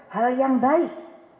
hal yang baik